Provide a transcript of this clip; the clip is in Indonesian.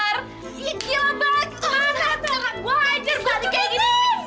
oke siapa takut